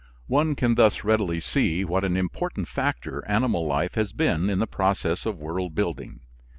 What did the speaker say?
One can thus readily see what an important factor animal life has been in the process of world building.